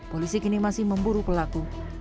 polisi kini masih memburu pelaku